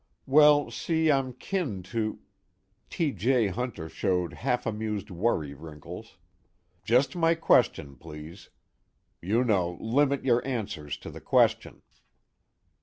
"Well, see, I'm kin to " T. J. Hunter showed half amused worry wrinkles. "Just my question, please. You know, limit your answers to the question."